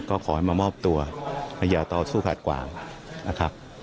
ก็ขอให้มามอบตัวอย่าต่อสู้ขัดขวางนะครับ